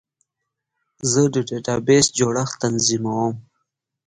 زه د ډیټابیس جوړښت تنظیموم.